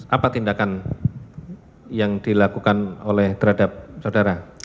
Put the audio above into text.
apa tindakan yang dilakukan oleh terhadap saudara